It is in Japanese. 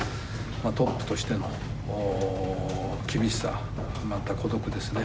トップとしての厳しさ、また孤独ですね。